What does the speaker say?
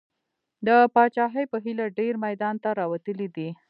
د پاچاهۍ په هیله ډېر میدان ته راوتلي دي.